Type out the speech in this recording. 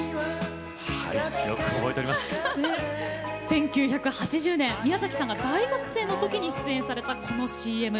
１９８０年宮崎さんが大学生のときに出演された、このＣＭ。